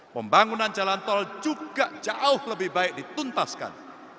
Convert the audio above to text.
pembangunan jalan tol juga jauh lebih baik dituntaskan